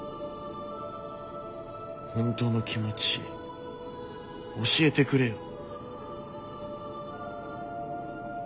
本当の気持ち教えてくれよ。